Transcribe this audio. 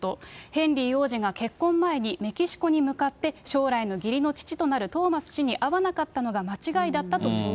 ヘンリー王子が結婚前にメキシコに向かって、将来の義理の父となるトーマス氏に会わなかったのが間違いだった